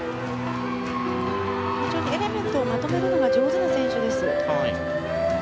エレメントをまとめるのが上手な選手です。